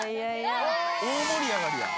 大盛り上がりやん。